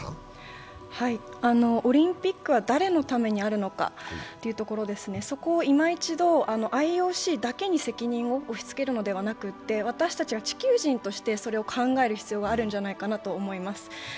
オリンピックは誰のためにあるのかというところですね、そこをいま一度ＩＯＣだけに責任を押しつけるのではなくて、私たちが地球人としてそれを考える必要があるんじゃないかなと思います。